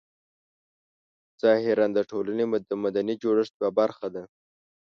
ظاهراً د ټولنې د مدني جوړښت یوه برخه ده.